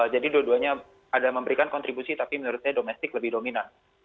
jadi dua duanya ada memberikan kontribusi tapi menurut saya domestik lebih dominan